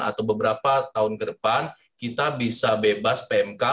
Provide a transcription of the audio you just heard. atau beberapa tahun ke depan kita bisa bebas pmk